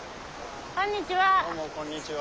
こんにちは。